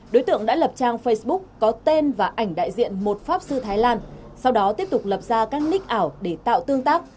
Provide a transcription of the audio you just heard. đối tượng đã lập trang facebook có tên và ảnh đại diện một pháp sư thái lan sau đó tiếp tục lập ra các nick ảo để tạo tương tác